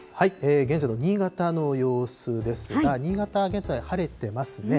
現在の新潟の様子ですが、新潟、現在晴れてますね。